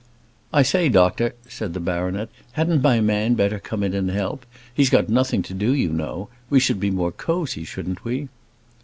"I say, doctor," said the baronet, "hadn't my man better come in and help? He's got nothing to do, you know. We should be more cosy, shouldn't we?"